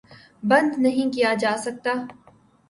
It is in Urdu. بند نہیں کیا جا سکتا